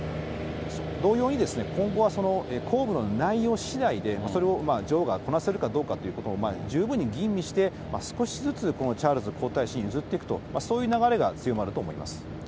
同様に今後は公務の内容しだいで、それを女王がこなせるかどうかっていうことも十分に吟味して、少しずつチャールズ皇太子に譲っていくと、そういう流れが強まると思います。